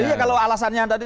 iya kalau alasannya tadi